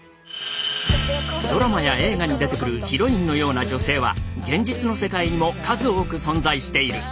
ドラマや映画に出てくるヒロインのような女性は現実の世界にも数多く存在している。